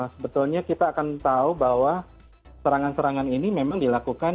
sebetulnya kita akan tahu bahwa serangan serangan ini memang dilakukan